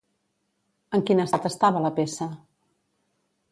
En quin estat estava la peça?